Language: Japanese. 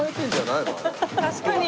確かに。